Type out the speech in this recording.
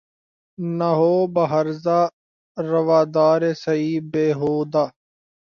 نہ ہو بہ ہرزہ روادارِ سعیء بے ہودہ